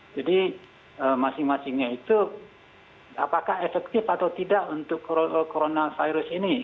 jadi masing masingnya itu apakah efektif atau tidak untuk coronavirus ini